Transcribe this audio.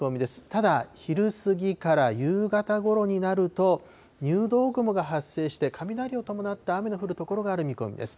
ただ、昼過ぎから夕方ごろになると、入道雲が発生して雷を伴った雨の降る所がある見込みです。